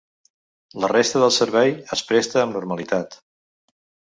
La resta del servei es presta amb normalitat.